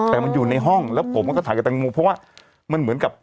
แต่มันอยู่ในห้องแล้วผมก็ถ่ายกับแตงโมเพราะว่ามันเหมือนกับ